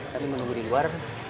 tapi menunggu di luar